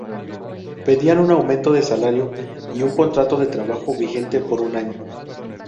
Pedían un aumento de salario y un contrato de trabajo vigente por un año.